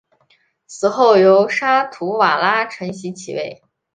死后由沙图瓦拉承袭其位。